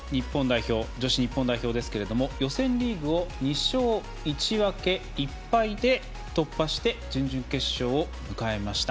女子日本代表ですけれども予選リーグを２勝１分け１敗で突破して、準々決勝を迎えました。